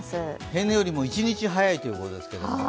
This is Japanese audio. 平年よりも一日早いということですけれども。